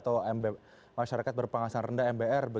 atau masyarakat berpenghasilan rendah mbr